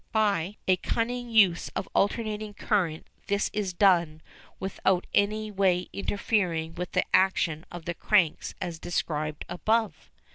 By a cunning use of alternating current this is done without in any way interfering with the action of the cranks as described above.